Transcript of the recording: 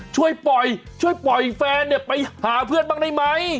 ช่วยปล่อยช่วยปล่อยแฟนเนี่ยไปหาเพื่อนบ้างได้ไหม